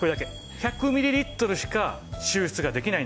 １００ミリリットルしか抽出ができないんです。